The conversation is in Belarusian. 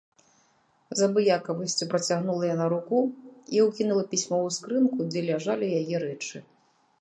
З абыякавасцю працягнула яна руку і ўкінула пісьмо ў скрынку, дзе ляжалі яе рэчы.